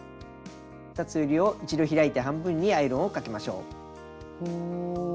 ２つえりを一度開いて半分にアイロンをかけましょう。